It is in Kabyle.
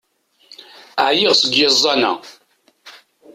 Ɛyiɣ seg yiẓẓan-a!